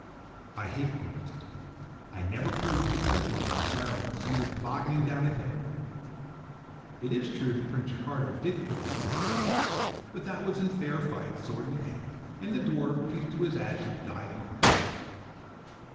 I hate cruelty: I never put a wicked stepmother in a barrel and send her tobogganing down a hill. It is true that Prince Ricardo did kill the Yellow Dwarf; but that was in fair fight, sword in hand, and the dwarf, peace to his ashes! died in harness.